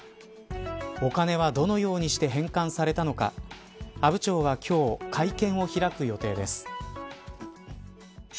お金はどのようにして返還されたのか阿武町は今日会見を開く予定です。